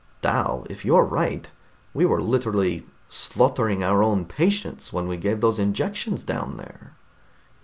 "Dal, if you're right, we were literally slaughtering our own patients when we gave those injections down there!"